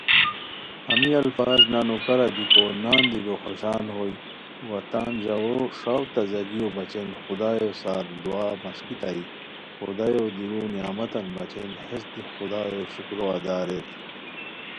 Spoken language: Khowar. ہمی الفاط نانو کارا دیکو نان دی بوخوشان ہوئے وا تان ژاؤو ݰاؤ تازگیو بچے خدایو سار دُعا مݰکیتائے خدایو دیرو نعمتان بچین ہیس دی خدایو شکرو ادا اریر